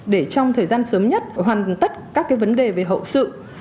để trong thời gian sớm nhất hoàn tất các vấn đề về hậu sự